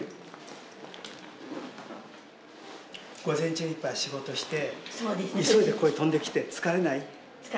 午前中いっぱい仕事して急いでここへ飛んできて疲れない？